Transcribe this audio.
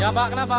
ya pak kenapa